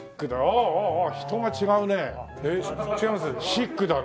シックだね。